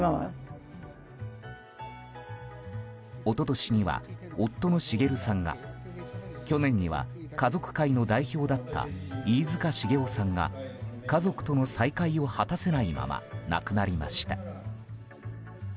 一昨年には、夫の滋さんが去年には家族会の代表だった飯塚繁雄さんが家族との再会を果たせないまま亡くなりました。